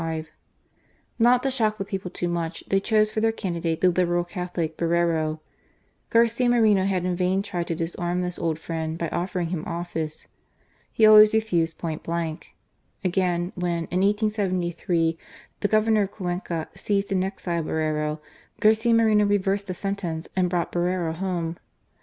Not to shock the people too much, tiiey chose for their candidate the Liberal Catholic, Borrero. Garcia Moreno had in vain tried to disarm this old friend by offering him office. He always refused point blank. Again, when, in 1873, the Governor of Cuenca seized and exiled Borrero, Garcia Moreno reversed the sentence and brought Borrero home.